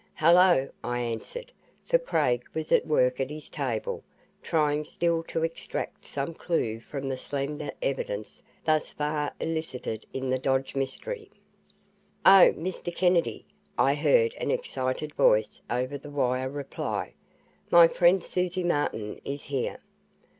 "Hello," I answered, for Craig was at work at his table, trying still to extract some clue from the slender evidence thus far elicited in the Dodge mystery. "Oh, Mr. Kennedy," I heard an excited voice over the wire reply, "my friend, Susie Martin is here.